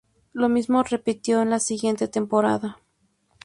Lo mismo repitió en la siguiente temporada.